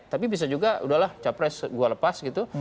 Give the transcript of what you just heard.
tapi bisa juga udahlah capres gue lepas gitu